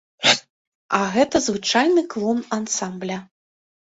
А гэта звычайны клон ансамбля.